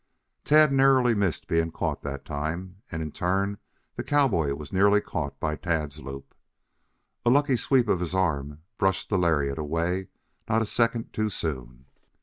Tad narrowly missed being caught that time, and in turn the cowboy was nearly caught by Tad's loop. A lucky sweep of his arm brushed I the lariat away not a second too soon.